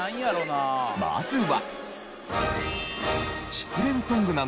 まずは。